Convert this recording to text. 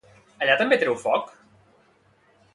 Allà també treu foc?